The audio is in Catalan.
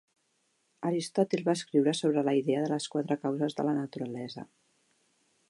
Aristòtil va escriure sobre la idea de les quatre causes de la naturalesa.